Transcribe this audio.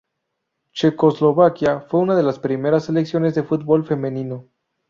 Checoslovaquia fue una de las primeras selecciones de fútbol femenino.